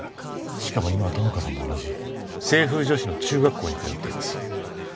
しかも今は友果さんも同じ清風女子の中学校に通っています